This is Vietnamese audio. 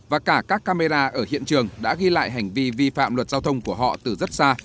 và cả các camera ở hiện trường đã ghi lại hành vi vi phạm luật giao thông của họ từ rất xa